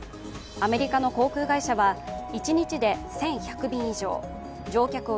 アメリカの航空会社は一日で１１００便以上、乗客